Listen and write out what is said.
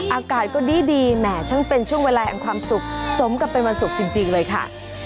อากาศก็ดีแหมช่างเป็นช่วงเวลาแห่งความสุขสมกับเป็นวันศุกร์จริงเลยค่ะ